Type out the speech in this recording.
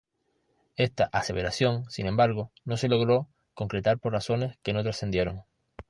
Esta aseveración, sin embargo, no se logró concretar por razones que no trascendieron.